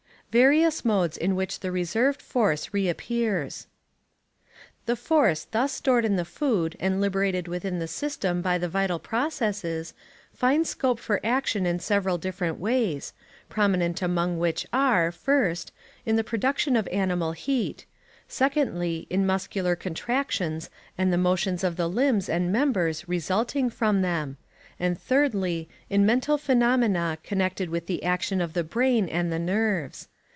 Various Modes in which the Reserved Force reappears. The force thus stored in the food and liberated within the system by the vital processes, finds scope for action in several different ways, prominent among which are, First, in the production of animal heat; Secondly, in muscular contractions and the motions of the limbs and members resulting from them; and Thirdly, in mental phenomena connected with the action of the brain and the nerves.